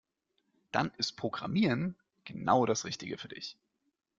Dann ist Programmieren genau das Richtige für dich.